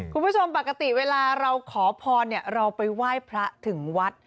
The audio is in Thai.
คุณผู้ชมปกติเวลาเราขอพรเราไปไหว้พระถึงวัด